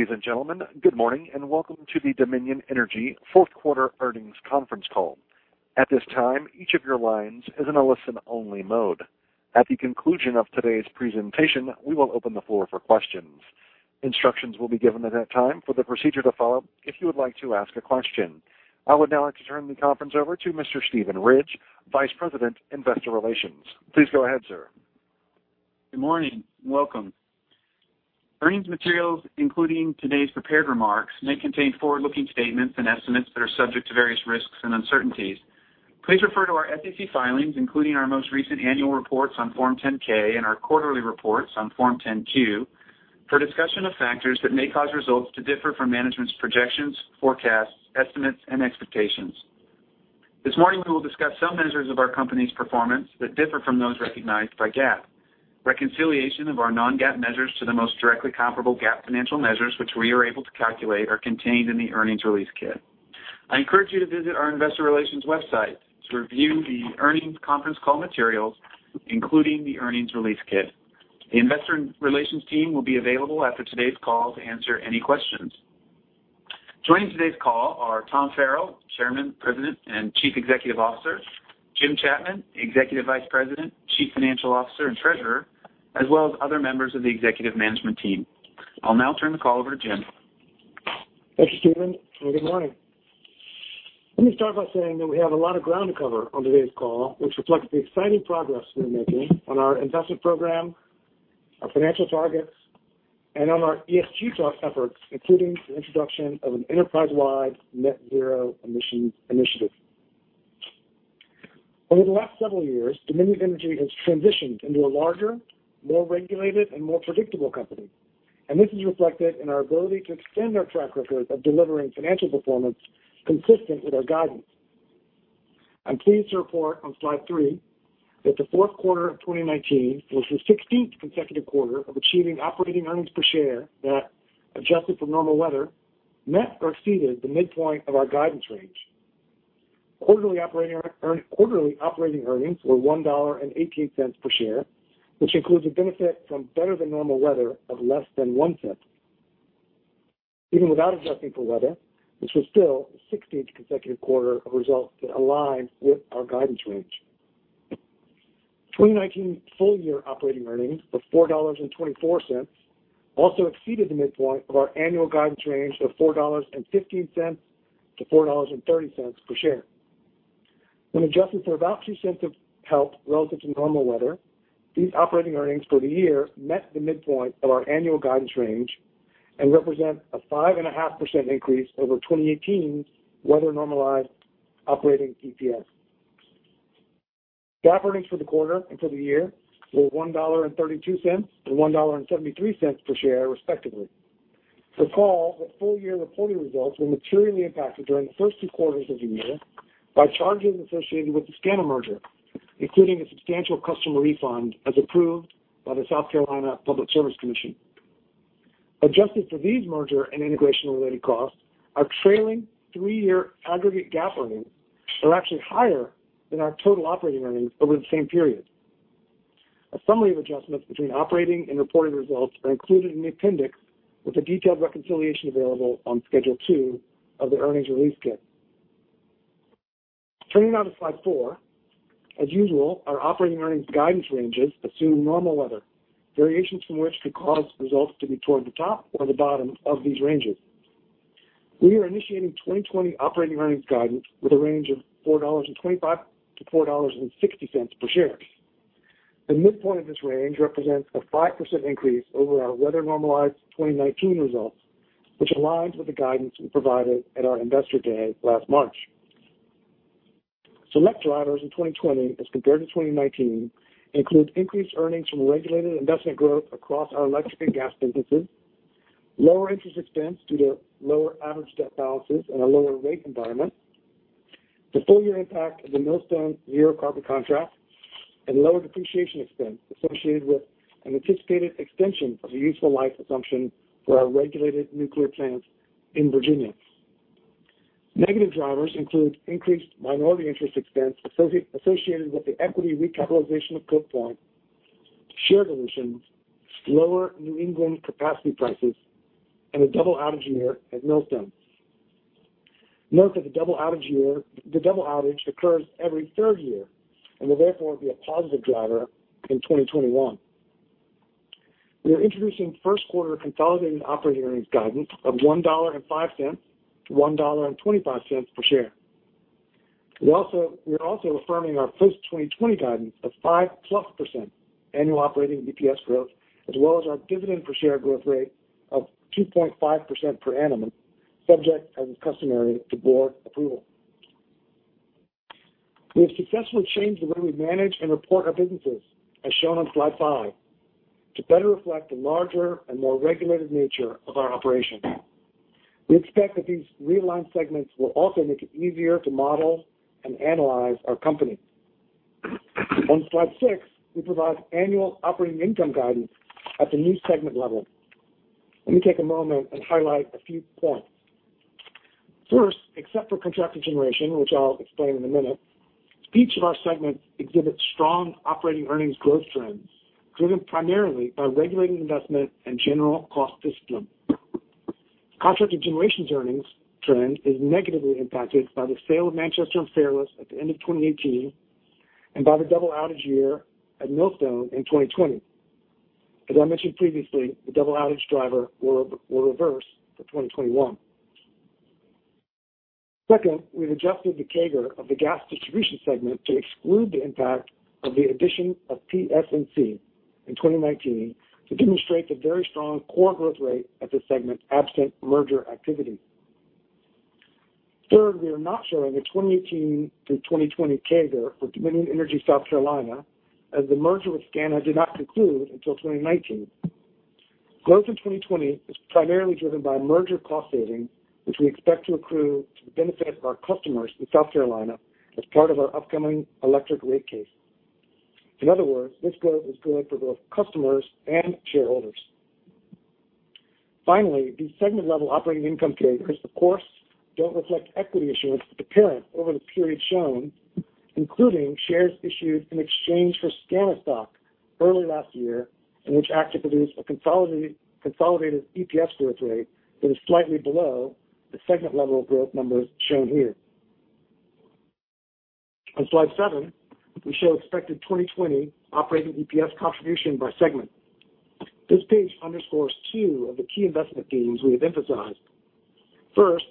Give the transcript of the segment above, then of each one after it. Ladies and gentlemen, good morning, and welcome to the Dominion Energy Fourth Quarter Earnings Conference Call. At this time, each of your lines is in a listen-only mode. At the conclusion of today's presentation, we will open the floor for questions. Instructions will be given at that time for the procedure to follow if you would like to ask a question. I would now like to turn the conference over to Mr. Steven Ridge, Vice President, Investor Relations. Please go ahead, sir. Good morning. Welcome. Earnings materials, including today's prepared remarks, may contain forward-looking statements and estimates that are subject to various risks and uncertainties. Please refer to our SEC filings, including our most recent annual reports on Form 10-K and our quarterly reports on Form 10-Q, for a discussion of factors that may cause results to differ from management's projections, forecasts, estimates, and expectations. This morning, we will discuss some measures of our company's performance that differ from those recognized by GAAP. Reconciliation of our non-GAAP measures to the most directly comparable GAAP financial measures, which we are able to calculate, are contained in the earnings release kit. I encourage you to visit our investor relations website to review the earnings conference call materials, including the earnings release kit. The investor relations team will be available after today's call to answer any questions. Joining today's call are Tom Farrell, Chairman, President, and Chief Executive Officer, Jim Chapman, Executive Vice President, Chief Financial Officer, and Treasurer, as well as other members of the executive management team. I'll now turn the call over to Jim. Thanks, Steven, and good morning. Let me start by saying that we have a lot of ground to cover on today's call, which reflects the exciting progress we are making on our investment program, our financial targets, and on our ESG efforts, including the introduction of an enterprise-wide net zero emissions initiative. Over the last several years, Dominion Energy has transitioned into a larger, more regulated, and more predictable company, and this is reflected in our ability to extend our track record of delivering financial performance consistent with our guidance. I'm pleased to report on slide three that the fourth quarter of 2019 was the 16th consecutive quarter of achieving operating earnings per share that, adjusted for normal weather, met or exceeded the midpoint of our guidance range. Quarterly operating earnings were $1.18 per share, which includes a benefit from better than normal weather of less than $0.01. Even without adjusting for weather, this was still the 16th consecutive quarter of results that aligned with our guidance range. 2019 full-year operating earnings of $4.24 also exceeded the midpoint of our annual guidance range of $4.15-$4.30 per share. When adjusted for about $0.02 of help relative to normal weather, these operating earnings for the year met the midpoint of our annual guidance range and represent a 5.5% increase over 2018 weather-normalized operating EPS. GAAP earnings for the quarter and for the year were $1.32 and $1.73 per share, respectively. Recall that full-year reporting results were materially impacted during the first two quarters of the year by charges associated with the SCANA merger, including a substantial customer refund as approved by the Public Service Commission of South Carolina. Adjusted for these merger and integration-related costs, our trailing three-year aggregate GAAP earnings are actually higher than our total operating earnings over the same period. A summary of adjustments between operating and reported results are included in the appendix, with a detailed reconciliation available on Schedule Two of the earnings release kit. Turning now to slide four. As usual, our operating earnings guidance ranges assume normal weather, variations from which could cause results to be toward the top or the bottom of these ranges. We are initiating 2020 operating earnings guidance with a range of $4.25-$4.60 per share. The midpoint of this range represents a 5% increase over our weather-normalized 2019 results, which aligns with the guidance we provided at our Investor Day last March. Select drivers in 2020 as compared to 2019 include increased earnings from regulated investment growth across our electric and gas businesses, lower interest expense due to lower average debt balances and a lower rate environment, the full-year impact of the Millstone zero-carbon contract, and lower depreciation expense associated with an anticipated extension of the useful life assumption for our regulated nuclear plants in Virginia. Negative drivers include increased minority interest expense associated with the equity recapitalization of Cove Point, share dilutions, lower New England capacity prices, and a double outage year at Millstone. Note that the double outage occurs every third year and will therefore be a positive driver in 2021. We are introducing first-quarter consolidated operating earnings guidance of $1.05-$1.25 per share. We are also affirming our full 2020 guidance of 5%+ annual operating EPS growth, as well as our dividend per share growth rate of 2.5% per annum, subject, as is customary, to Board approval. We have successfully changed the way we manage and report our businesses, as shown on slide five, to better reflect the larger and more regulated nature of our operations. We expect that these realigned segments will also make it easier to model and analyze our company. On slide six, we provide annual operating income guidance at the new segment level. Let me take a moment and highlight a few points. Except for contracted generation, which I'll explain in a minute, each of our segments exhibits strong operating earnings growth trends, driven primarily by regulated investment and general cost discipline. Contracted generations earnings trend is negatively impacted by the sale of Manchester and Fairless at the end of 2018 and by the double outage year at Millstone in 2020. As I mentioned previously, the double outage driver will reverse for 2021. Second, we've adjusted the CAGR of the gas distribution segment to exclude the impact of the addition of PSNC in 2019 to demonstrate the very strong core growth rate of this segment absent merger activity. Third, we are not showing a 2018 through 2020 CAGR for Dominion Energy South Carolina, as the merger with SCANA did not conclude until 2019. Growth in 2020 is primarily driven by merger cost saving, which we expect to accrue to the benefit of our customers in South Carolina as part of our upcoming electric rate case. In other words, this growth is good for both customers and shareholders. These segment level operating income CAGRs, of course, don't reflect equity issuance at the parent over the period shown, including shares issued in exchange for SCANA stock early last year, in which act produced a consolidated EPS growth rate that is slightly below the segment level of growth numbers shown here. On slide seven, we show expected 2020 operating EPS contribution by segment. This page underscores two of the key investment themes we have emphasized. First,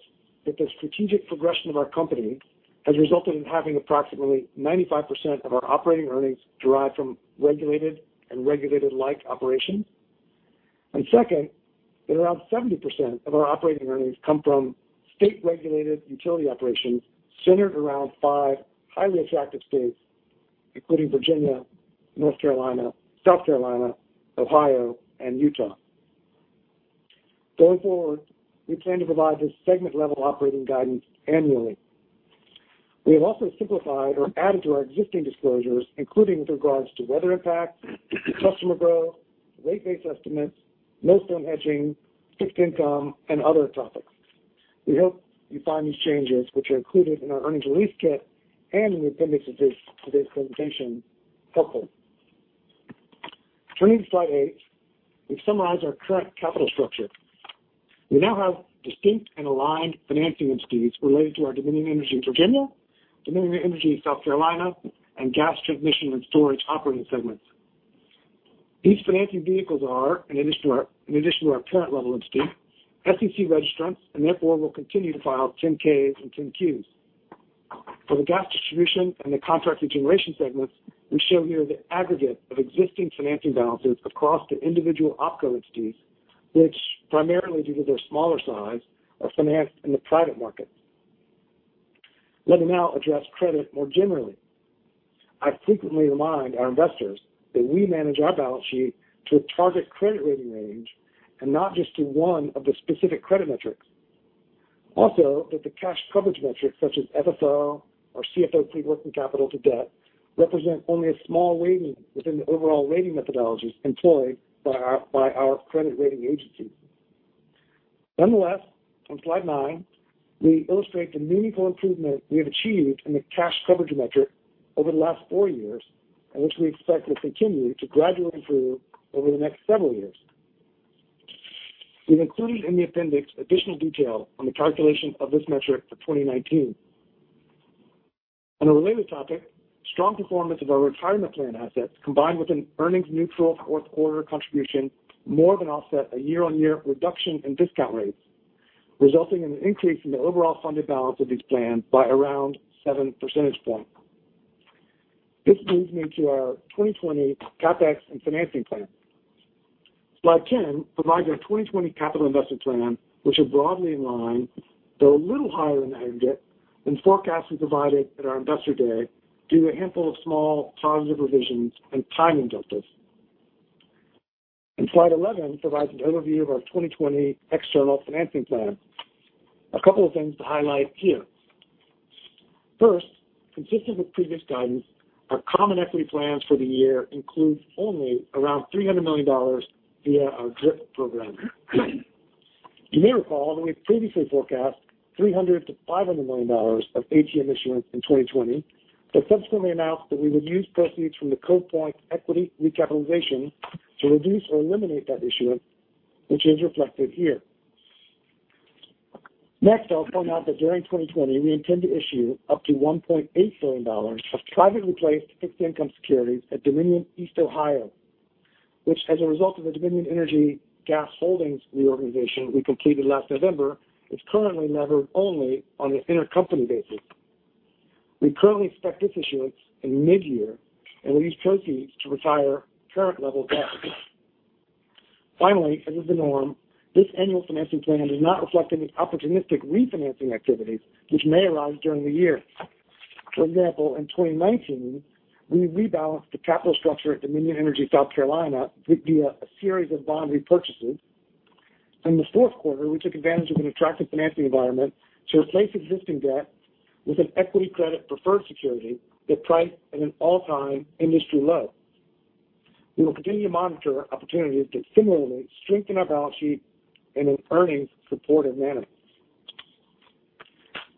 that the strategic progression of our company has resulted in having approximately 95% of our operating earnings derived from regulated and regulated-like operations. Second, that around 70% of our operating earnings come from state-regulated utility operations centered around five highly attractive states, including Virginia, North Carolina, South Carolina, Ohio, and Utah. Going forward, we plan to provide this segment-level operating guidance annually. We have also simplified or added to our existing disclosures, including with regards to weather impacts, customer growth, rate base estimates, Millstone hedging, fixed income, and other topics. We hope you find these changes, which are included in our earnings release kit and in the appendix of today's presentation, helpful. Turning to slide eight, we summarize our current capital structure. We now have distinct and aligned financing entities related to our Dominion Energy Virginia, Dominion Energy South Carolina, and gas transmission and storage operating segments. These financing vehicles are, in addition to our parent-level entity, SEC registrants, and therefore will continue to file 10-Ks and 10-Qs. For the gas distribution and the contracted generations segments, we show here the aggregate of existing financing balances across the individual OpCo entities, which, primarily due to their smaller size, are financed in the private market. Let me now address credit more generally. I frequently remind our investors that we manage our balance sheet to a target credit rating range and not just to one of the specific credit metrics. Also, that the cash coverage metrics such as FFO or CFO free working capital to debt represent only a small weighting within the overall rating methodologies employed by our credit rating agencies. Nonetheless, on slide nine, we illustrate the meaningful improvement we have achieved in the cash coverage metric over the last four years, and which we expect will continue to gradually improve over the next several years. We've included in the appendix additional detail on the calculation of this metric for 2019. On a related topic, strong performance of our retirement plan assets, combined with an earnings neutral fourth quarter contribution, more than offset a year-on-year reduction in discount rates, resulting in an increase in the overall funded balance of these plans by around 7 percentage points. This moves me to our 2020 CapEx and financing plan. Slide 10 provides our 2020 capital investment plan, which is broadly in line, though a little higher in the aggregate than forecasts we provided at our Investor Day, due to a handful of small positive revisions and timing differences. Slide 11 provides an overview of our 2020 external financing plan. A couple of things to highlight here. First, consistent with previous guidance, our common equity plans for the year include only around $300 million via our DRIP program. You may recall that we previously forecast $300 million-$500 million of ATM issuance in 2020, but subsequently announced that we would use proceeds from the Cove Point equity recapitalization to reduce or eliminate that issuance, which is reflected here. Next, I'll point out that during 2020, we intend to issue up to $1.8 billion of privately placed fixed income securities at Dominion Energy East Ohio, which, as a result of the Dominion Energy Gas Holdings reorganization we completed last November, is currently levered only on an intercompany basis. We currently expect this issuance in mid-year, and will use proceeds to retire current level debt. Finally, as is the norm, this annual financing plan does not reflect any opportunistic refinancing activities which may arise during the year. For example, in 2019, we rebalanced the capital structure at Dominion Energy South Carolina via a series of bond repurchases. In the fourth quarter, we took advantage of an attractive financing environment to replace existing debt with an equity credit preferred security that priced at an all-time industry low. We will continue to monitor opportunities that similarly strengthen our balance sheet in an earnings-supportive manner.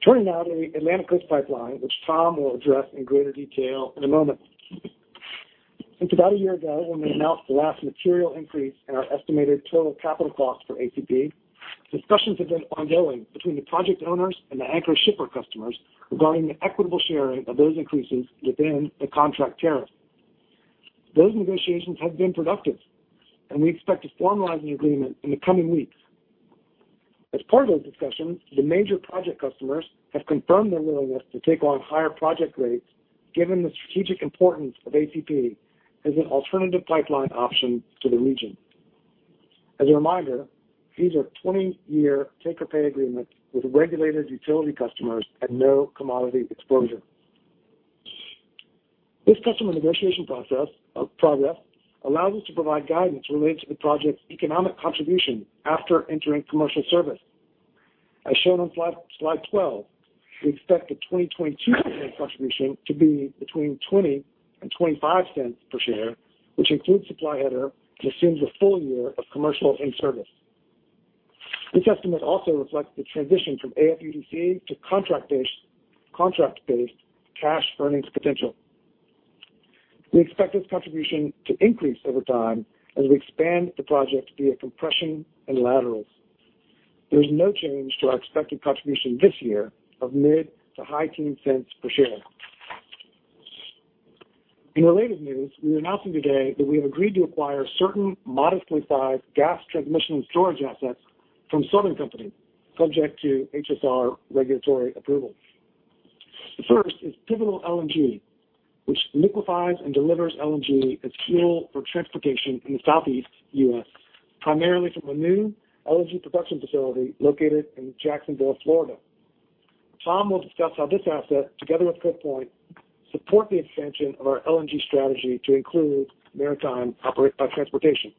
Turning now to the Atlantic Coast Pipeline, which Tom will address in greater detail in a moment. Since about a year ago when we announced the last material increase in our estimated total capital cost for ACP, discussions have been ongoing between the project owners and the anchor shipper customers regarding the equitable sharing of those increases within the contract tariff. Those negotiations have been productive, and we expect to formalize an agreement in the coming weeks. As part of those discussions, the major project customers have confirmed their willingness to take on higher project rates given the strategic importance of ACP as an alternative pipeline option to the region. As a reminder, these are 20-year take-or-pay agreements with regulated utility customers at no commodity exposure. This customer negotiation progress allows us to provide guidance related to the project's economic contribution after entering commercial service. As shown on slide 12, we expect the 2022 earnings contribution to be between $0.20 and $0.25 per share, which includes supply header and assumes a full year of commercial in-service. This estimate also reflects the transition from AFUDC to contract-based cash earnings potential. We expect this contribution to increase over time as we expand the project via compression and laterals. There is no change to our expected contribution this year of mid to high teen cents per share. In related news, we are announcing today that we have agreed to acquire certain modestly sized gas transmission storage assets from Southern Company, subject to HSR regulatory approval. The first is Pivotal LNG, which liquefies and delivers LNG as fuel for transportation in the Southeast U.S., primarily from a new LNG production facility located in Jacksonville, Florida. Tom will discuss how this asset, together with Cove Point, support the expansion of our LNG strategy to include maritime transportation.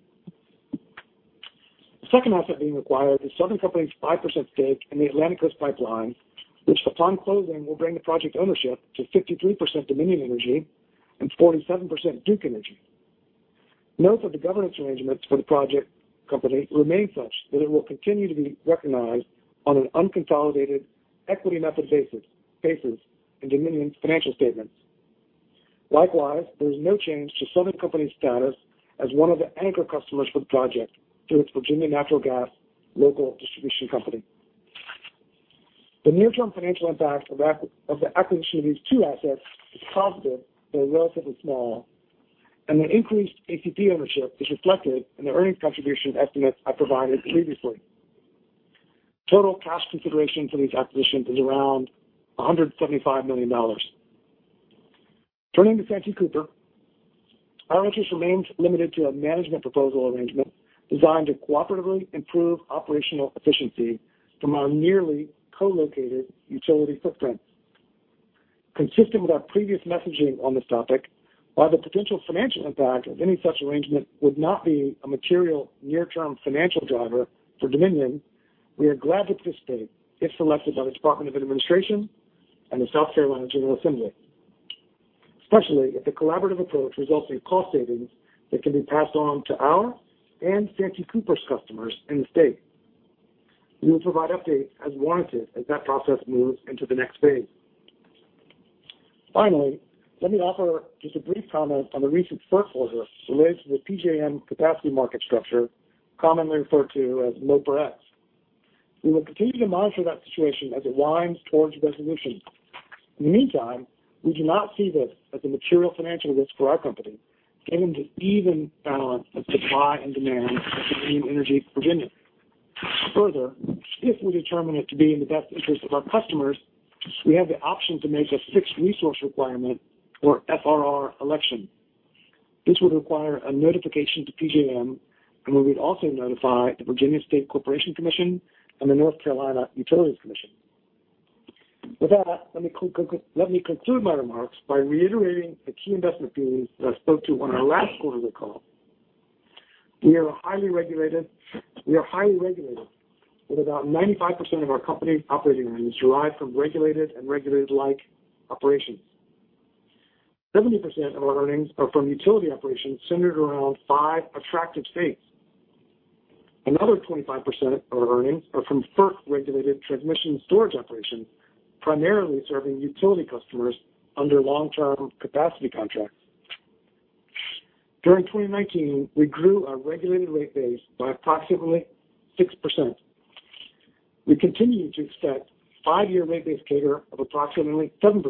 The second asset being acquired is Southern Company's 5% stake in the Atlantic Coast Pipeline, which upon closing will bring the project ownership to 53% Dominion Energy and 47% Duke Energy. Note that the governance arrangements for the project company remain such that it will continue to be recognized on an unconsolidated equity method basis in Dominion's financial statements. Likewise, there is no change to Southern Company's status as one of the anchor customers for the project through its Virginia Natural Gas local distribution company. The near-term financial impact of the acquisition of these two assets is positive, though relatively small, and the increased ACP ownership is reflected in the earnings contribution estimates I provided previously. Total cash consideration for these acquisitions is around $175 million. Turning to Santee Cooper, our interest remains limited to a management proposal arrangement designed to cooperatively improve operational efficiency from our nearly co-located utility footprint. Consistent with our previous messaging on this topic, while the potential financial impact of any such arrangement would not be a material near-term financial driver for Dominion, we are glad to participate if selected by the Department of Administration and the South Carolina General Assembly, especially if the collaborative approach results in cost savings that can be passed on to our and Santee Cooper's customers in the state. We will provide updates as warranted as that process moves into the next phase. Finally, let me offer just a brief comment on the recent FERC order related to the PJM capacity market structure, commonly referred to as MOPR-Ex. We will continue to monitor that situation as it winds towards resolution. In the meantime, we do not see this as a material financial risk for our company, given the even balance of supply and demand at Dominion Energy Virginia. Further, if we determine it to be in the best interest of our customers, we have the option to make a fixed resource requirement or FRR election. This would require a notification to PJM, and we would also notify the Virginia State Corporation Commission and the North Carolina Utilities Commission. With that, let me conclude my remarks by reiterating the key investment themes that I spoke to on our last quarterly call. We are highly regulated, with about 95% of our company's operating earnings derived from regulated and regulated-like operations. 70% of our earnings are from utility operations centered around five attractive states. Another 25% of our earnings are from FERC-regulated transmission storage operations, primarily serving utility customers under long-term capacity contracts. During 2019, we grew our regulated rate base by approximately 6%. We continue to expect five-year rate base CAGR of approximately 7%,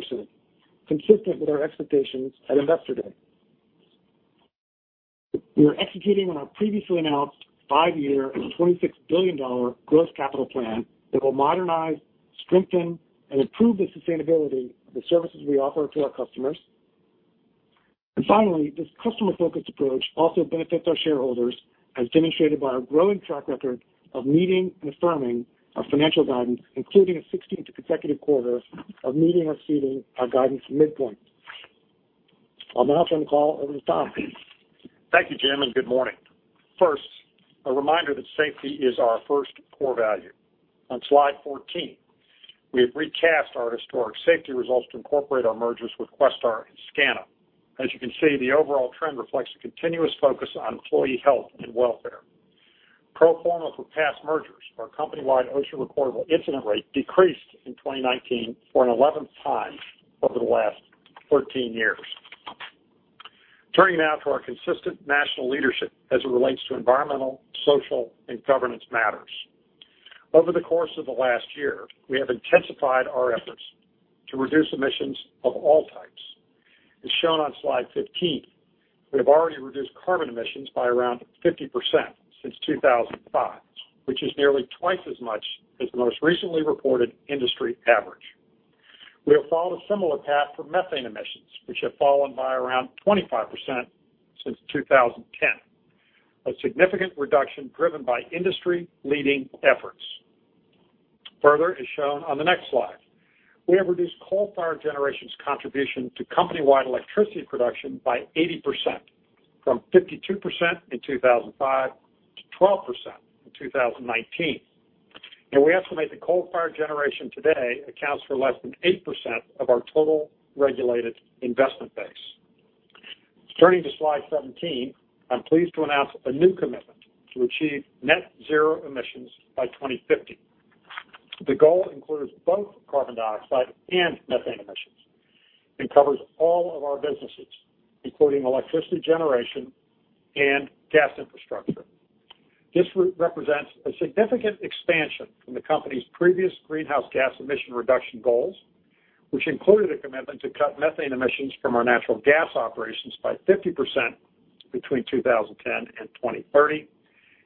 consistent with our expectations at Investor Day. We are executing on our previously announced five-year, $26 billion gross capital plan that will modernize, strengthen, and improve the sustainability of the services we offer to our customers. Finally, this customer-focused approach also benefits our shareholders, as demonstrated by our growing track record of meeting and affirming our financial guidance, including a 16th consecutive quarter of meeting or exceeding our guidance midpoint. I'll now turn the call over to Tom. Thank you, Jim. Good morning. First, a reminder that safety is our first core value. On slide 14. We have recast our historic safety results to incorporate our mergers with Questar and SCANA. As you can see, the overall trend reflects a continuous focus on employee health and welfare. Pro forma for past mergers, our company-wide OSHA-recordable incident rate decreased in 2019 for an 11th time over the last 14 years. Turning now to our consistent national leadership as it relates to environmental, social, and governance matters. Over the course of the last year, we have intensified our efforts to reduce emissions of all types. As shown on slide 15, we have already reduced carbon emissions by around 50% since 2005, which is nearly twice as much as the most recently reported industry average. We have followed a similar path for methane emissions, which have fallen by around 25% since 2010. A significant reduction driven by industry-leading efforts. As shown on the next slide, we have reduced coal-fired generation's contribution to company-wide electricity production by 80%, from 52% in 2005 to 12% in 2019. We estimate that coal-fired generation today accounts for less than 8% of our total regulated investment base. Turning to slide 17, I'm pleased to announce a new commitment to achieve net zero emissions by 2050. The goal includes both carbon dioxide and methane emissions and covers all of our businesses, including electricity generation and gas infrastructure. This route represents a significant expansion from the company's previous greenhouse gas emission reduction goals, which included a commitment to cut methane emissions from our natural gas operations by 50% between 2010 and 2030,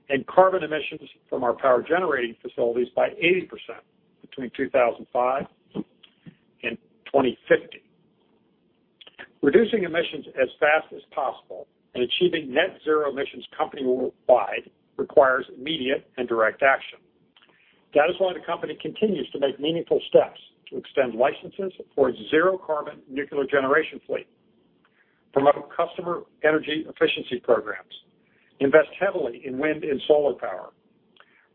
and carbon emissions from our power generating facilities by 80% between 2005 and 2050. Reducing emissions as fast as possible and achieving net zero emissions company-wide requires immediate and direct action. That is why the company continues to make meaningful steps to extend licenses for its zero-carbon nuclear generation fleet, promote customer energy efficiency programs, invest heavily in wind and solar power,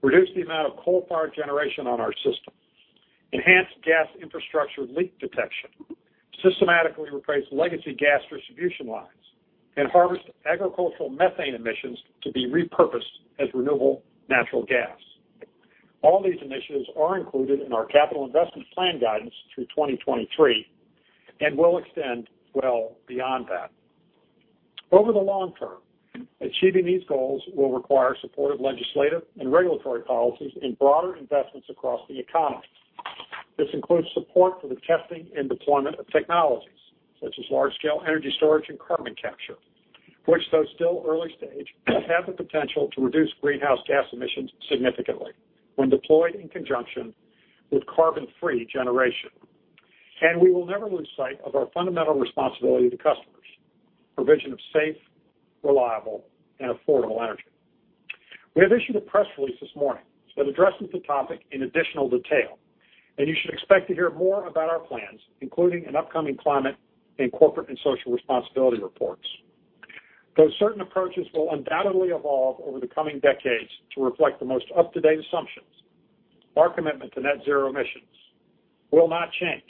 reduce the amount of coal fire generation on our system, enhance gas infrastructure leak detection, systematically replace legacy gas distribution lines, and harvest agricultural methane emissions to be repurposed as renewable natural gas. All these initiatives are included in our capital investment plan guidance through 2023 and will extend well beyond that. Over the long term, achieving these goals will require supportive legislative and regulatory policies and broader investments across the economy. This includes support for the testing and deployment of technologies such as large-scale energy storage and carbon capture, which, though still early-stage, have the potential to reduce greenhouse gas emissions significantly when deployed in conjunction with carbon-free generation. We will never lose sight of our fundamental responsibility to customers: provision of safe, reliable, and affordable energy. We have issued a press release this morning that addresses the topic in additional detail. You should expect to hear more about our plans, including an upcoming climate and corporate and social responsibility reports. Though certain approaches will undoubtedly evolve over the coming decades to reflect the most up-to-date assumptions, our commitment to net zero emissions will not change.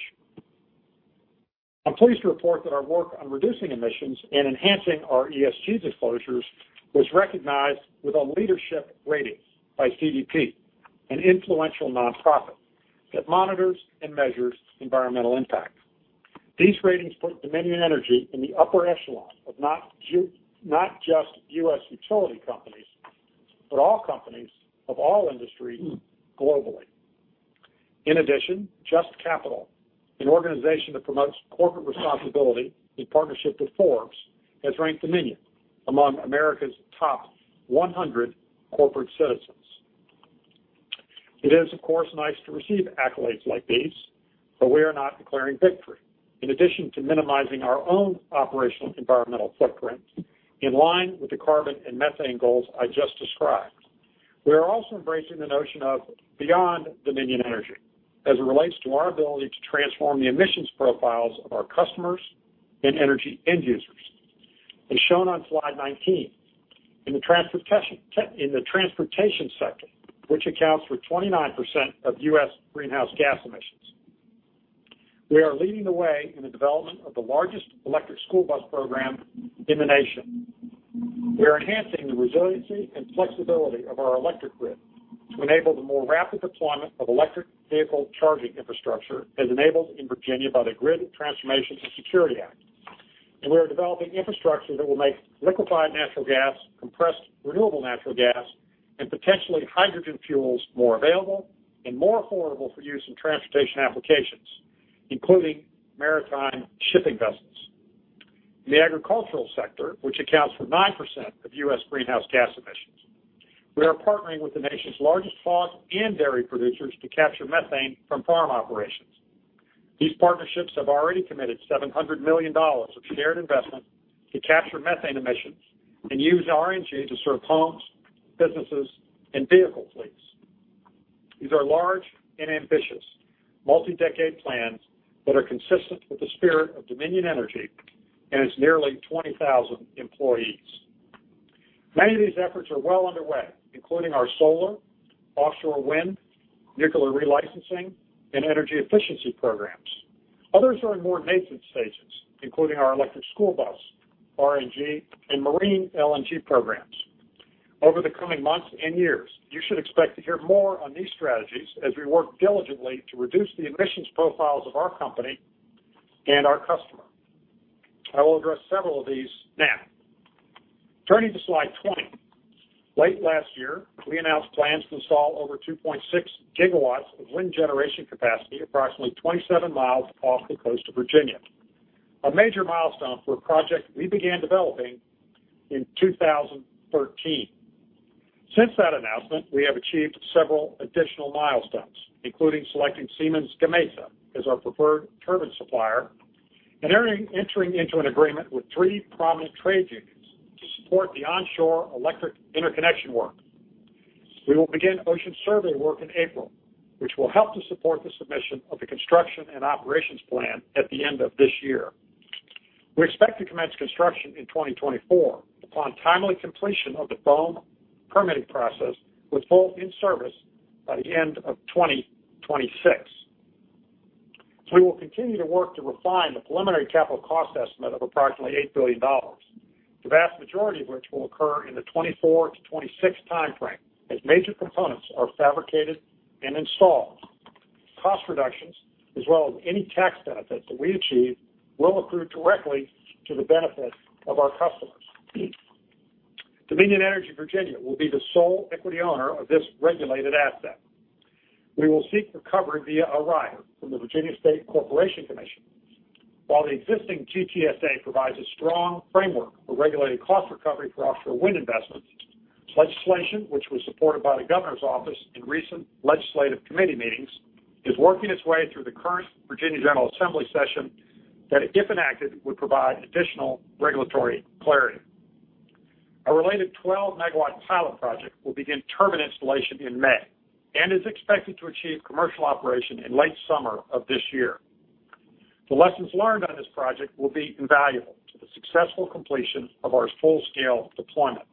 I'm pleased to report that our work on reducing emissions and enhancing our ESG disclosures was recognized with a leadership rating by CDP, an influential nonprofit that monitors and measures environmental impact. These ratings put Dominion Energy in the upper echelon of not just U.S. utility companies, but all companies of all industries globally. In addition, JUST Capital, an organization that promotes corporate responsibility in partnership with Forbes, has ranked Dominion among America's top 100 corporate citizens. It is, of course, nice to receive accolades like these. We are not declaring victory. In addition to minimizing our own operational environmental footprint in line with the carbon and methane goals I just described, we are also embracing the notion of Beyond Dominion Energy as it relates to our ability to transform the emissions profiles of our customers and energy end users. As shown on slide 19, in the transportation sector, which accounts for 29% of U.S. greenhouse gas emissions, we are leading the way in the development of the largest electric school bus program in the nation. We are enhancing the resiliency and flexibility of our electric grid to enable the more rapid deployment of electric vehicle charging infrastructure as enabled in Virginia by the Grid Transformation and Security Act. We are developing infrastructure that will make liquefied natural gas, compressed renewable natural gas, and potentially hydrogen fuels more available and more affordable for use in transportation applications, including maritime shipping vessels. In the agricultural sector, which accounts for 9% of U.S. greenhouse gas emissions, we are partnering with the nation's largest farm and dairy producers to capture methane from farm operations. These partnerships have already committed $700 million of shared investment to capture methane emissions and use RNG to serve homes, businesses, and vehicle fleets. These are large and ambitious multi-decade plans that are consistent with the spirit of Dominion Energy and its nearly 20,000 employees. Many of these efforts are well underway, including our solar, offshore wind, nuclear relicensing, and energy efficiency programs. Others are in more nascent stages, including our electric school bus, RNG, and marine LNG programs. Over the coming months and years, you should expect to hear more on these strategies as we work diligently to reduce the emissions profiles of our company and our customer. I will address several of these now. Turning to slide 20. Late last year, we announced plans to install over 2.6 GW of wind generation capacity approximately 27 mi off the coast of Virginia, a major milestone for a project we began developing in 2013. Since that announcement, we have achieved several additional milestones, including selecting Siemens Gamesa as our preferred turbine supplier and entering into an agreement with three prominent trade unions to support the onshore electric interconnection work. We will begin ocean survey work in April, which will help to support the submission of the construction and operations plan at the end of this year. We expect to commence construction in 2024 upon timely completion of the BOEM permitting process, with full in-service by the end of 2026. We will continue to work to refine the preliminary capital cost estimate of approximately $8 billion, the vast majority of which will occur in the 2024-2026 time frame, as major components are fabricated and installed. Cost reductions, as well as any tax benefits that we achieve, will accrue directly to the benefit of our customers. Dominion Energy Virginia will be the sole equity owner of this regulated asset. We will seek recovery via a rider from the Virginia State Corporation Commission. While the existing GTSA provides a strong framework for regulated cost recovery for offshore wind investments, legislation, which was supported by the governor's office in recent legislative committee meetings, is working its way through the current Virginia General Assembly session that, if enacted, would provide additional regulatory clarity. A related 12-MW pilot project will begin turbine installation in May and is expected to achieve commercial operation in late summer of this year. The lessons learned on this project will be invaluable to the successful completion of our full-scale deployment.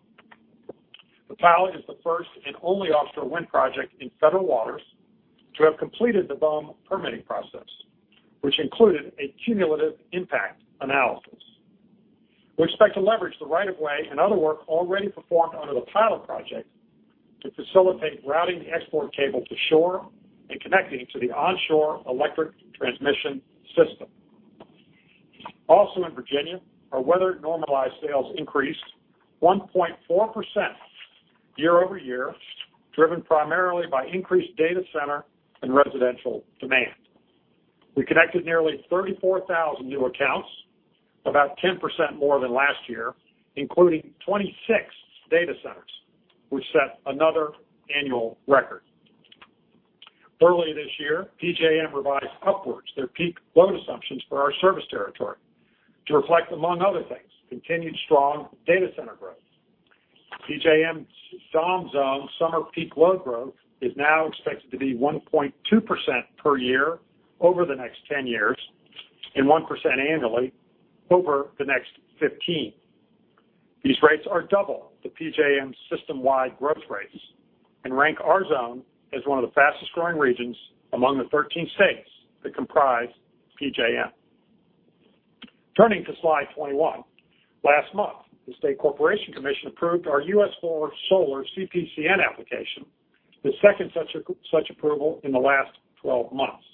The pilot is the first and only offshore wind project in federal waters to have completed the BOEM permitting process, which included a cumulative impact analysis. We expect to leverage the right of way and other work already performed under the pilot project to facilitate routing the export cable to shore and connecting to the onshore electric transmission system. Also in Virginia, our weather-normalized sales increased 1.4% year-over-year, driven primarily by increased data center and residential demand. We connected nearly 34,000 new accounts, about 10% more than last year, including 26 data centers, which set another annual record. Early this year, PJM revised upwards their peak load assumptions for our service territory to reflect, among other things, continued strong data center growth. PJM's zone summer peak load growth is now expected to be 1.2% per year over the next 10 years and 1% annually over the next 15. These rates are double the PJM system-wide growth rates and rank our zone as one of the fastest-growing regions among the 13 states that comprise PJM. Turning to slide 21. Last month, the Virginia State Corporation Commission approved our US-4 Solar CPCN application, the second such approval in the last 12 months.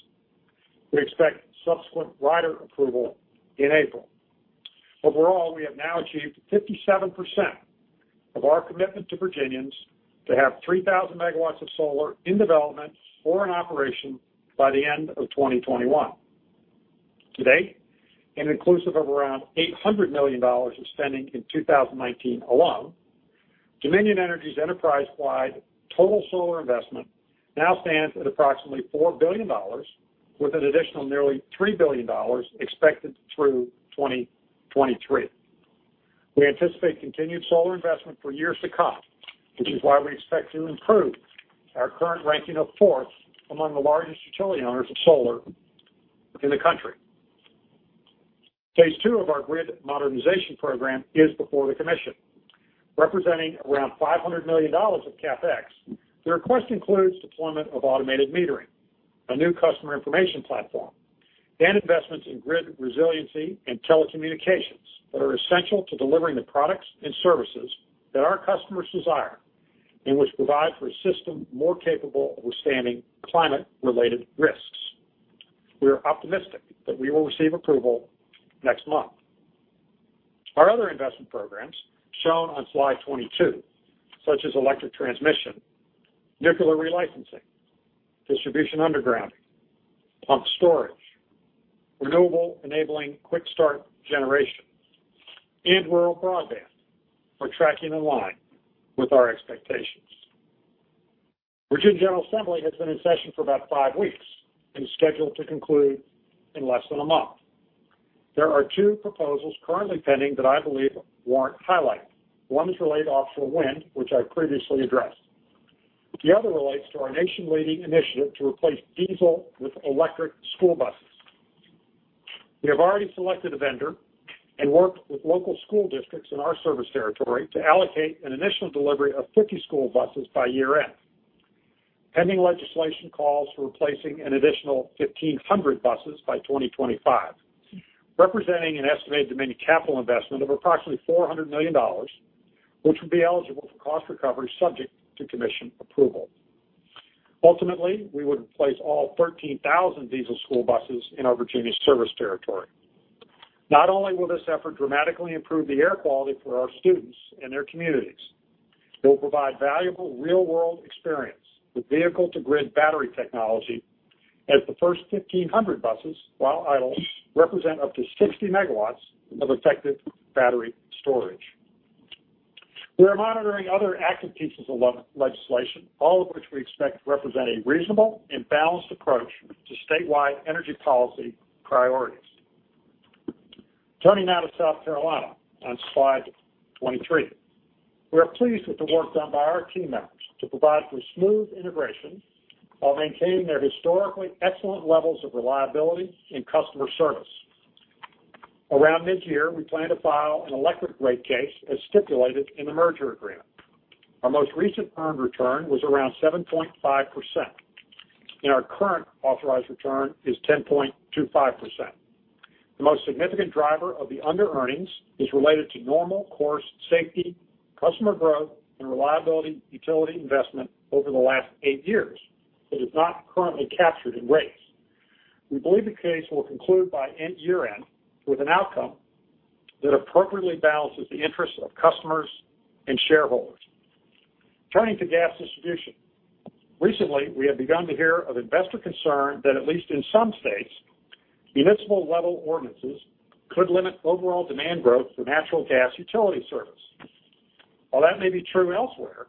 We expect subsequent rider approval in April. Overall, we have now achieved 57% of our commitment to Virginians to have 3,000 MW of solar in development or in operation by the end of 2021. To date, and inclusive of around $800 million of spending in 2019 alone, Dominion Energy's enterprise-wide total solar investment now stands at approximately $4 billion, with an additional nearly $3 billion expected through 2023. We anticipate continued solar investment for years to come, which is why we expect to improve our current ranking of fourth among the largest utility owners of solar in the country. Phase II of our grid modernization program is before the Commission. Representing around $500 million of CapEx, the request includes deployment of automated metering, a new customer information platform, and investments in grid resiliency and telecommunications that are essential to delivering the products and services that our customers desire and which provide for a system more capable of withstanding climate-related risks. We are optimistic that we will receive approval next month. Our other investment programs, shown on slide 22, such as electric transmission, nuclear relicensing, distribution undergrounding, pump storage, renewable-enabling quick-start generation, and rural broadband, are tracking in line with our expectations. Virginia General Assembly has been in session for about five weeks and is scheduled to conclude in less than a month. There are two proposals currently pending that I believe warrant highlighting. One is related to offshore wind, which I previously addressed. The other relates to our nation-leading initiative to replace diesel with electric school buses. We have already selected a vendor and worked with local school districts in our service territory to allocate an initial delivery of 50 school buses by year-end. Pending legislation calls for replacing an additional 1,500 buses by 2025, representing an estimated Dominion capital investment of approximately $400 million, which would be eligible for cost recovery subject to commission approval. Ultimately, we would replace all 13,000 diesel school buses in our Virginia service territory. Not only will this effort dramatically improve the air quality for our students and their communities, it will provide valuable real-world experience with vehicle-to-grid battery technology as the first 1,500 buses, while idle, represent up to 60 MW of effective battery storage. We are monitoring other active pieces of legislation, all of which we expect represent a reasonable and balanced approach to statewide energy policy priorities. Turning now to South Carolina on slide 23. We are pleased with the work done by our team members to provide for smooth integration while maintaining their historically excellent levels of reliability and customer service. Around mid-year, we plan to file an electric rate case as stipulated in the merger agreement. Our most recent earned return was around 7.5%, and our current authorized return is 10.25%. The most significant driver of the under-earnings is related to normal course safety, customer growth, and reliability utility investment over the last eight years that is not currently captured in rates. We believe the case will conclude by year-end with an outcome that appropriately balances the interests of customers and shareholders. Turning to gas distribution. Recently, we have begun to hear of investor concern that at least in some states, municipal-level ordinances could limit overall demand growth for natural gas utility service. While that may be true elsewhere,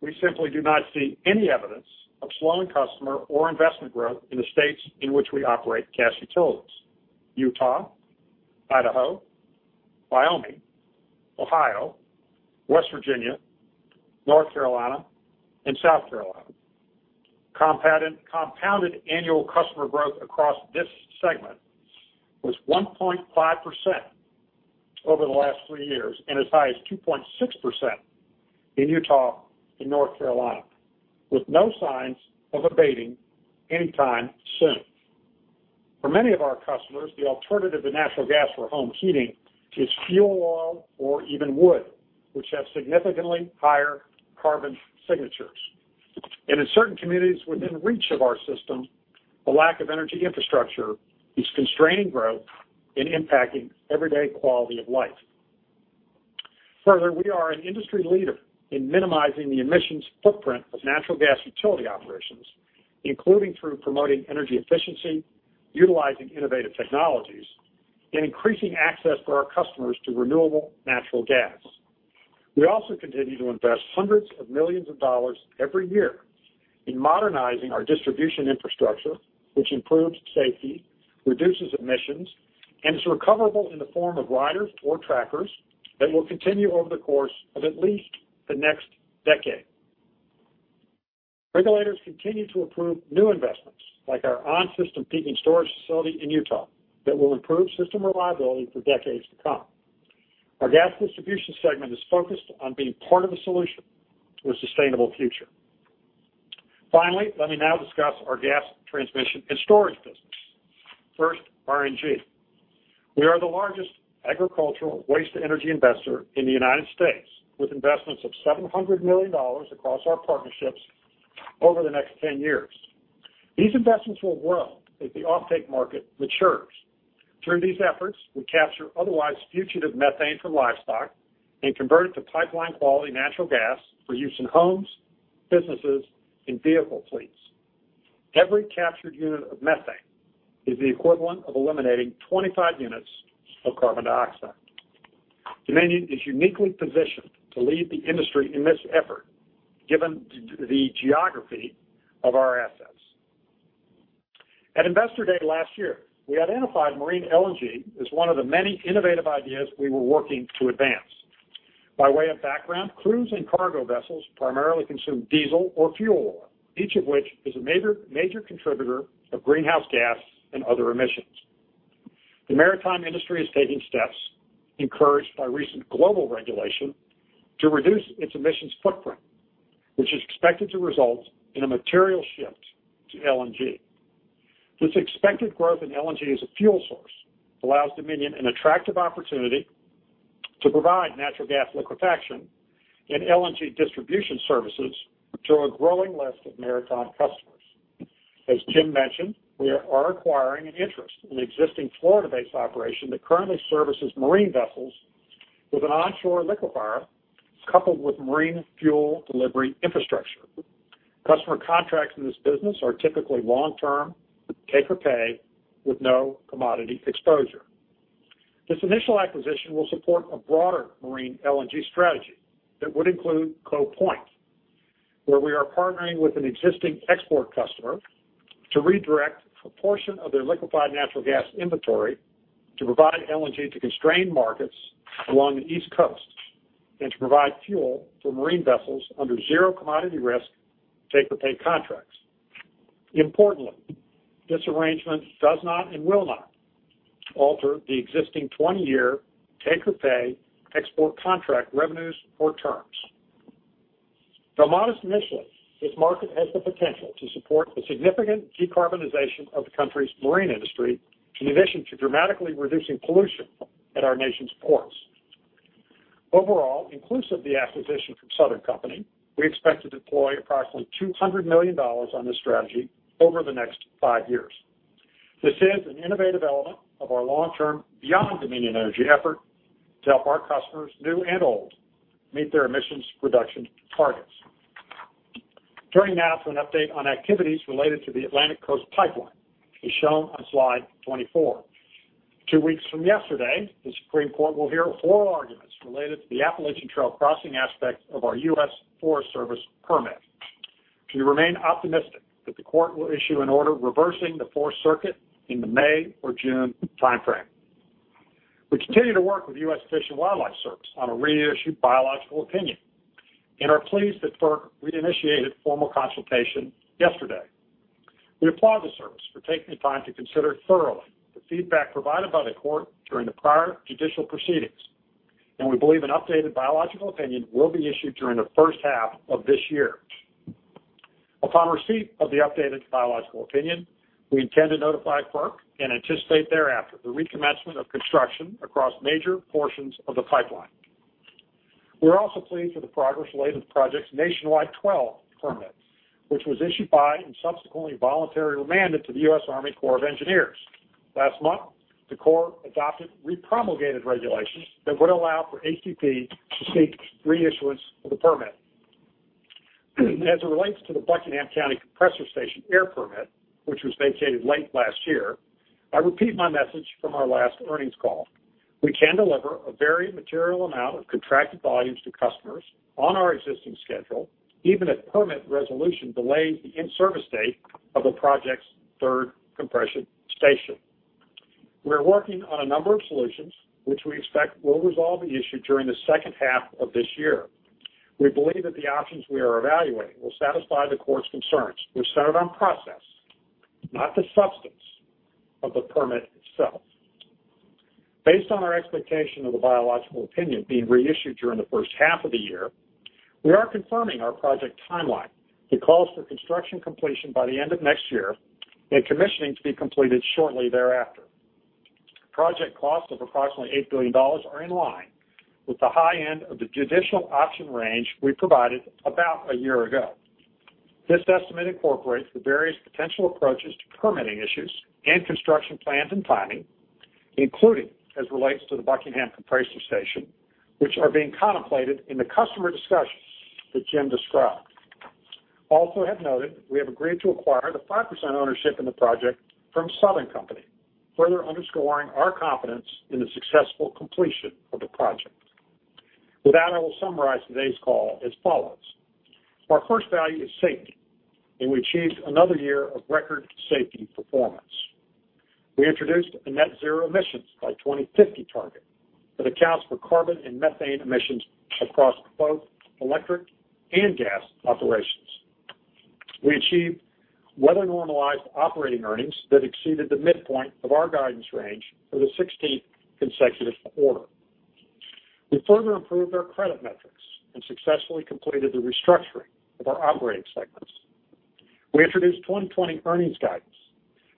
we simply do not see any evidence of slowing customer or investment growth in the states in which we operate gas utilities: Utah, Idaho, Wyoming, Ohio, West Virginia, North Carolina, and South Carolina. Compounded annual customer growth across this segment was 1.5% over the last three years and as high as 2.6% in Utah and North Carolina, with no signs of abating anytime soon. For many of our customers, the alternative to natural gas for home heating is fuel oil or even wood, which have significantly higher carbon signatures. In certain communities within reach of our system, a lack of energy infrastructure is constraining growth and impacting everyday quality of life. Further, we are an industry leader in minimizing the emissions footprint of natural gas utility operations, including through promoting energy efficiency, utilizing innovative technologies, and increasing access for our customers to renewable natural gas. We also continue to invest hundreds of millions of dollars every year in modernizing our distribution infrastructure, which improves safety, reduces emissions, and is recoverable in the form of riders or trackers that will continue over the course of at least the next decade. Regulators continue to approve new investments, like our on-system peaking storage facility in Utah, that will improve system reliability for decades to come. Our gas distribution segment is focused on being part of the solution to a sustainable future. Let me now discuss our gas transmission and storage business. RNG. We are the largest agricultural waste energy investor in the U.S., with investments of $700 million across our partnerships over the next 10 years. These investments will grow as the offtake market matures. Through these efforts, we capture otherwise fugitive methane from livestock and convert it to pipeline-quality natural gas for use in homes, businesses, and vehicle fleets. Every captured unit of methane is the equivalent of eliminating 25 units of carbon dioxide. Dominion is uniquely positioned to lead the industry in this effort, given the geography of our assets. At Investor Day last year, we identified marine LNG as one of the many innovative ideas we were working to advance. By way of background, cruise and cargo vessels primarily consume diesel or fuel oil, each of which is a major contributor of greenhouse gas and other emissions. The maritime industry is taking steps, encouraged by recent global regulation, to reduce its emissions footprint, which is expected to result in a material shift to LNG. This expected growth in LNG as a fuel source allows Dominion an attractive opportunity to provide natural gas liquefaction and LNG distribution services to a growing list of maritime customers. As Jim mentioned, we are acquiring an interest in an existing Florida-based operation that currently services marine vessels with an onshore liquefier coupled with marine fuel delivery infrastructure. Customer contracts in this business are typically long-term, take-or-pay, with no commodity exposure. This initial acquisition will support a broader marine LNG strategy that would include Cove Point, where we are partnering with an existing export customer to redirect a portion of their liquefied natural gas inventory to provide LNG to constrained markets along the East Coast. To provide fuel for marine vessels under zero commodity risk, take-or-pay contracts. Importantly, this arrangement does not and will not alter the existing 20-year take-or-pay export contract revenues or terms. Though modest initially, this market has the potential to support the significant decarbonization of the country's marine industry, in addition to dramatically reducing pollution at our nation's ports. Overall, inclusive of the acquisition from Southern Company, we expect to deploy approximately $200 million on this strategy over the next five years. This is an innovative element of our long-term Beyond Dominion Energy effort to help our customers, new and old, meet their emissions reduction targets. Turning now to an update on activities related to the Atlantic Coast Pipeline, as shown on slide 24. Two weeks from yesterday, the Supreme Court will hear oral arguments related to the Appalachian Trail crossing aspect of our U.S. Forest Service permit. We remain optimistic that the court will issue an order reversing the Fourth Circuit in the May or June timeframe. We continue to work with the U.S. Fish and Wildlife Service on a reissued biological opinion and are pleased that FERC reinitiated formal consultation yesterday. We applaud the service for taking the time to consider thoroughly the feedback provided by the court during the prior judicial proceedings, and we believe an updated biological opinion will be issued during the first half of this year. Upon receipt of the updated biological opinion, we intend to notify FERC and anticipate thereafter the recommencement of construction across major portions of the pipeline. We're also pleased with the progress related to the project's Nationwide Permit 12, which was issued by and subsequently voluntarily remanded to the U.S. Army Corps of Engineers. Last month, the Corps adopted re-promulgated regulations that would allow for ACP to seek reissuance of the permit. As it relates to the Buckingham County Compressor Station air permit, which was vacated late last year, I repeat my message from our last earnings call. We can deliver a very material amount of contracted volumes to customers on our existing schedule, even if permit resolution delays the in-service date of the project's third compression station. We are working on a number of solutions, which we expect will resolve the issue during the second half of this year. We believe that the options we are evaluating will satisfy the court's concerns, which centered on process, not the substance of the permit itself. Based on our expectation of the biological opinion being reissued during the first half of the year, we are confirming our project timeline that calls for construction completion by the end of next year and commissioning to be completed shortly thereafter. Project costs of approximately $8 billion are in line with the high end of the judicial option range we provided about a year ago. This estimate incorporates the various potential approaches to permitting issues and construction plans and timing, including as it relates to the Buckingham compressor station, which are being contemplated in the customer discussions that Jim described. Also have noted, we have agreed to acquire the 5% ownership in the project from Southern Company, further underscoring our confidence in the successful completion of the project. With that, I will summarize today's call as follows. Our first value is safety, and we achieved another year of record safety performance. We introduced a net zero emissions by 2050 target that accounts for carbon and methane emissions across both electric and gas operations. We achieved weather-normalized operating earnings that exceeded the midpoint of our guidance range for the 16th consecutive quarter. We further improved our credit metrics and successfully completed the restructuring of our operating segments. We introduced 2020 earnings guidance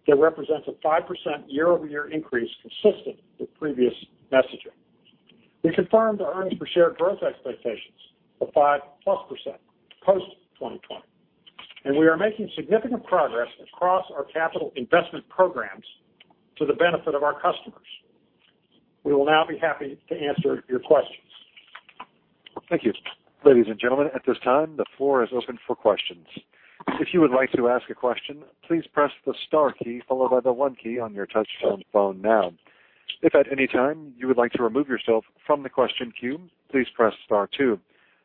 that represents a 5% year-over-year increase consistent with previous messaging. We confirmed our earnings per share growth expectations of 5+% post-2020, and we are making significant progress across our capital investment programs to the benefit of our customers. We will now be happy to answer your questions. Thank you. Ladies and gentlemen, at this time, the floor is open for questions. If you would like to ask a question, please press the star key followed by the one key on your touch-tone phone now. If at any time you would like to remove yourself from the question queue, please press star two.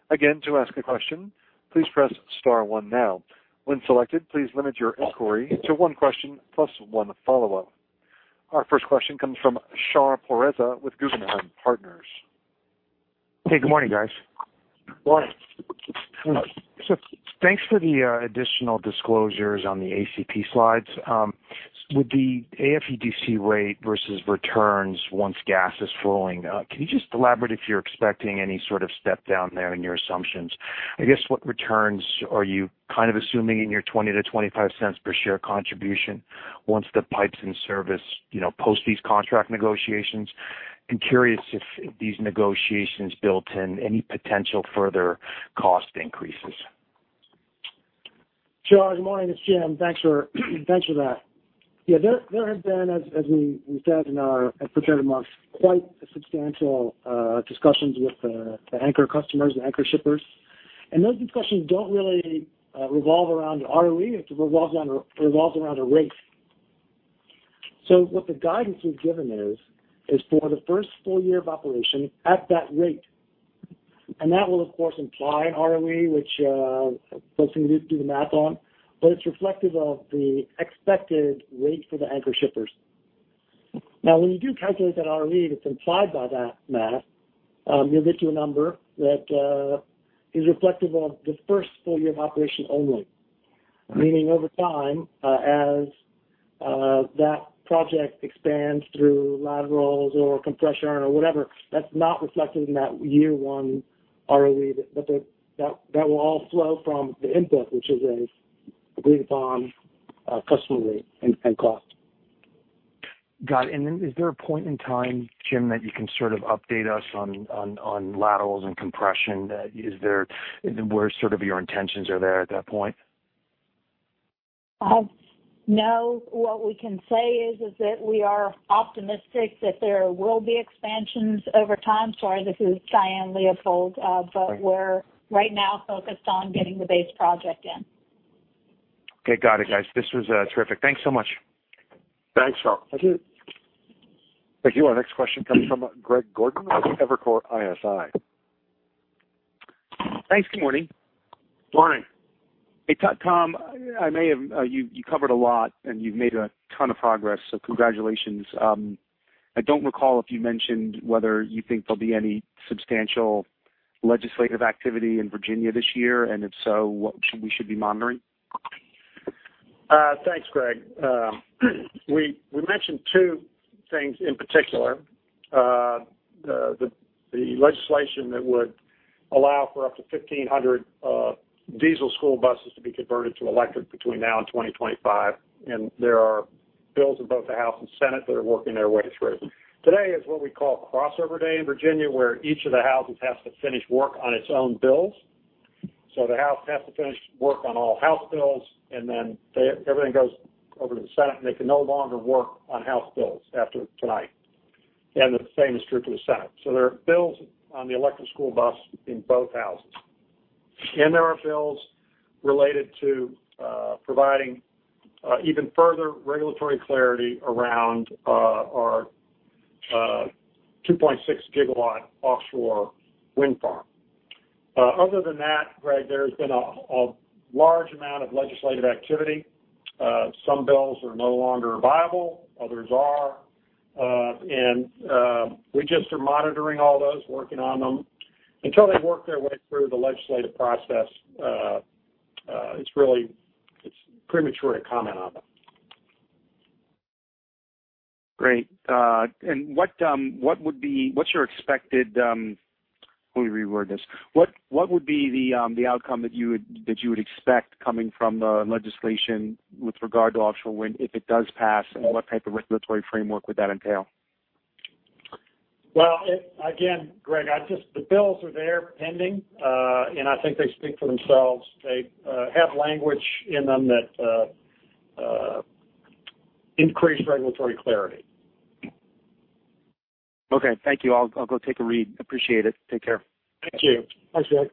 Again, to ask a question, please press star one now. When selected, please limit your inquiry to one question plus one follow-up. Our first question comes from Shar Pourreza with Guggenheim Partners. Hey, good morning, guys. Morning. Thanks for the additional disclosures on the ACP slides. With the AFUDC rate versus returns once gas is flowing, can you just elaborate if you're expecting any sort of step-down there in your assumptions? I guess what returns are you kind of assuming in your $0.20-$0.25 per share contribution once the pipe's in service, post these contract negotiations? I'm curious if these negotiations built in any potential further cost increases. Shar, good morning. It's Jim. Thanks for that. Yeah, there has been, as we said and as portrayed amongst quite substantial discussions with the anchor customers, the anchor shippers. Those discussions don't really revolve around ROE. It revolves around a rate. What the guidance we've given is for the first full year of operation at that rate, and that will, of course, imply an ROE, which folks can do the math on. It's reflective of the expected rate for the anchor shippers. Now, when you do calculate that ROE that's implied by that math, you'll get to a number that is reflective of the first full year of operation only. Meaning over time, as that project expands through laterals or compression or whatever, that's not reflected in that year one ROE. That will all flow from the input, which is agreed upon customer rate and cost. Got it. Then is there a point in time, Jim, that you can sort of update us on laterals and compression? Where sort of your intentions are there at that point? No. What we can say is that we are optimistic that there will be expansions over time. Sorry, this is Diane Leopold. We're right now focused on getting the base project in. Okay, got it, guys. This was terrific. Thanks so much. Thanks, Shar. Thank you. Our next question comes from Greg Gordon with Evercore ISI. Thanks. Good morning. Morning. Hey, Tom, you covered a lot and you've made a ton of progress, congratulations. I don't recall if you mentioned whether you think there'll be any substantial legislative activity in Virginia this year, if so, what we should be monitoring? Thanks, Greg. We mentioned two things in particular. The legislation that would allow for up to 1,500 diesel school buses to be converted to electric between now and 2025. There are bills in both the House and Senate that are working their way through. Today is what we call Crossover Day in Virginia, where each of the Houses has to finish work on its own bills. The House has to finish work on all House bills. Then everything goes over to the Senate, and they can no longer work on House bills after tonight. The same is true for the Senate. There are bills on the electric school bus in both Houses. There are bills related to providing even further regulatory clarity around our 2.6 GW offshore wind farm. Other than that, Greg, there's been a large amount of legislative activity. Some bills are no longer viable, others are. We just are monitoring all those, working on them. Until they work their way through the legislative process, it's premature to comment on them. Great. Let me reword this. What would be the outcome that you would expect coming from the legislation with regard to offshore wind, if it does pass, and what type of regulatory framework would that entail? Well, again, Greg, the bills are there pending. I think they speak for themselves. They have language in them that increase regulatory clarity. Okay. Thank you. I'll go take a read. Appreciate it. Take care. Thank you. Thanks, Greg.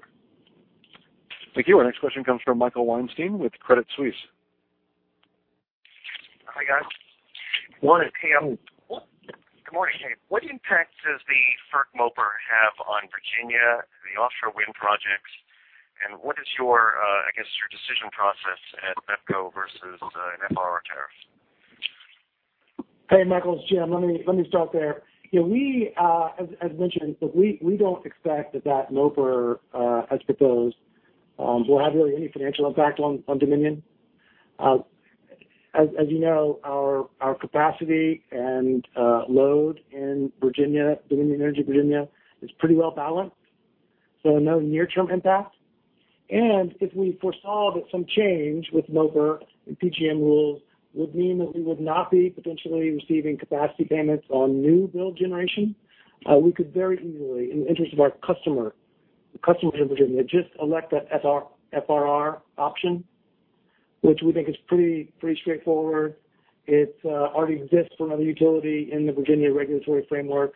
Thank you. Our next question comes from Michael Weinstein with Credit Suisse. Hi, guys. Morning. Good morning. What impact does the FERC MOPR have on Virginia, the offshore wind projects, and what is your decision process at MOPR versus an FRR tariff? Hey, Michael, it's Jim. Let me start there. As mentioned, we don't expect that that MOPR, as proposed, will have really any financial impact on Dominion. As you know, our capacity and load in Dominion Energy Virginia is pretty well-balanced. No near-term impact. If we foresaw that some change with MOPR and PJM rules would mean that we would not be potentially receiving capacity payments on new build generation, we could very easily, in the interest of our customer in Virginia, just elect that FRR option, which we think is pretty straightforward. It already exists for another utility in the Virginia regulatory framework.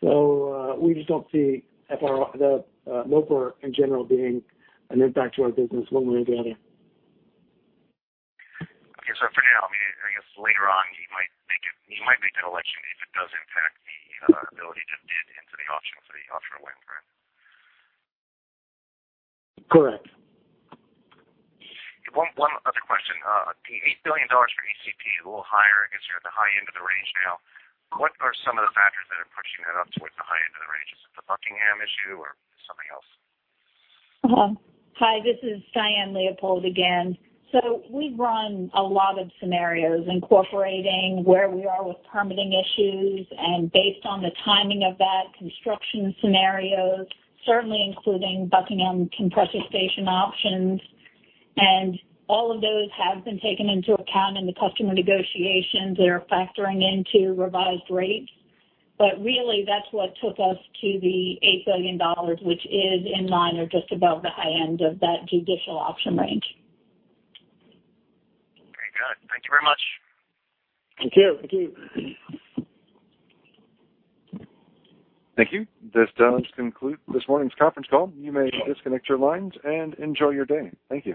We just don't see MOPR in general being an impact to our business one way or the other. Okay. For now, I guess later on, you might make that election if it does impact the ability to bid into the auction for the offshore wind farm. Correct. One other question. The $8 billion for ACP, a little higher, I guess you're at the high end of the range now. What are some of the factors that are pushing that up towards the high end of the range? Is it the Buckingham issue or something else? Hi, this is Diane Leopold again. We've run a lot of scenarios incorporating where we are with permitting issues and based on the timing of that, construction scenarios, certainly including Buckingham Compression Station options. All of those have been taken into account in the customer negotiations. They are factoring into revised rates. Really, that's what took us to the $8 billion, which is in line or just above the high end of that judicial auction range. Very good. Thank you very much. Thank you. Thank you. Thank you. This does conclude this morning's conference call. You may disconnect your lines and enjoy your day. Thank you.